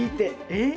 え？